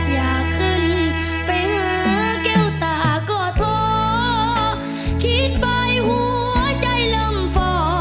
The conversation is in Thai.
อยากขึ้นไปหาแก้วตาก็ท้อคิดไปหัวใจล่ำฝ่อ